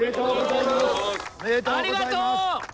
ありがとう！